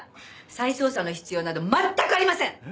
再捜査の必要など全くありません。